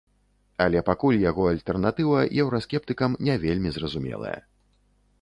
Але пакуль яго альтэрнатыва еўраскептыкам не вельмі зразумелая.